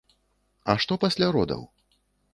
А што пасля родаў?